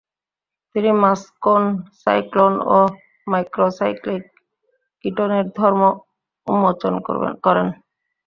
তিনি muscone, cyclone ও macrocyclic কিটোনের ধর্ম উন্মোচন করেন।